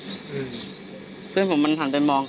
แล้วหลังจากนั้นเราขับหนีเอามามันก็ไล่ตามมาอยู่ตรงนั้น